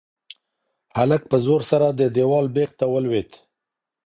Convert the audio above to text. هلک په زور سره د دېوال بېخ ته ولوېد.